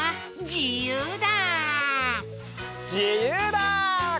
じゆうだ！